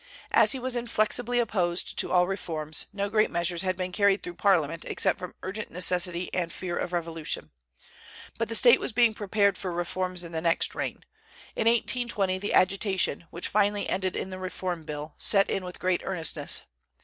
As he was inflexibly opposed to all reforms, no great measures had been carried through Parliament except from urgent necessity and fear of revolution. But the State was being prepared for reforms in the next reign. In 1820 the agitation, which finally ended in the Reform Bill, set in with great earnestness.